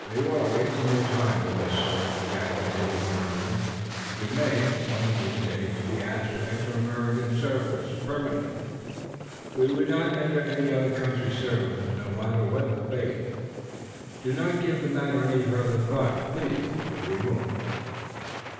"You are wasting your time with us, sir," Jack continued, firmly. "We may, one of these days, be asked to enter the American service permanently. We would not enter any other country's service, no matter what the bait. Do not give the matter any further thought, please, for we won't."